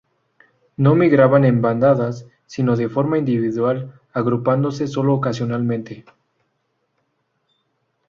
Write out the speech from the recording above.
No migran en bandadas, sino de forma individual, agrupándose solo ocasionalmente.